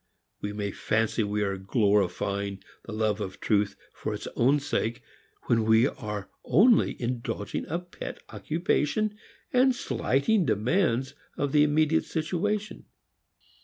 We may fancy we are glorifying the love of truth for its own sake when we are only indulging a pet occupation and slighting demands of the immediate situation.